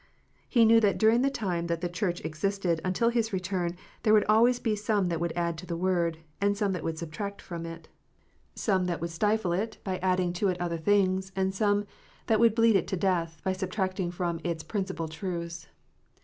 He knew that during the time that the Church existed, until His return, there would always be some that would add to the Word, and some that would subtract from it, some that PHARISEES AND SADDUCEES. 331 would stifle it, by adding to it other things, and some that would bleed it to death, by subtracting from its principal truths.